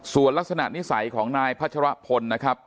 ส่วนลักษณะนิสัยของนายพัชรพลนะครับ